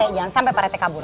jangan sampai pak rt kabur